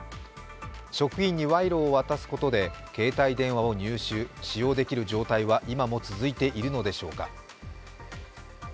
職員に賄賂を渡すことで携帯電話を入手、使用できる状態は今も続いているのでしょうか。